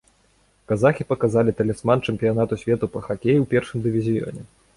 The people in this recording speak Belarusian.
Казахі паказалі талісман чэмпіянату свету па хакеі ў першым дывізіёне.